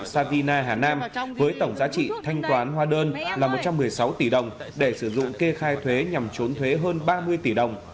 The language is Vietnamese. savina hà nam với tổng giá trị thanh toán hóa đơn là một trăm một mươi sáu tỷ đồng để sử dụng kê khai thuế nhằm trốn thuế hơn ba mươi tỷ đồng